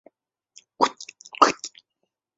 为可爱的观赏鱼。